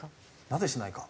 なぜしないか。